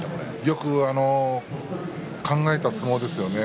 よく考えた相撲です。